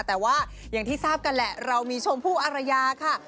แต่ว่าอย่างที่ทราบกันแหละเรามีชมพู่อารยาค่ะ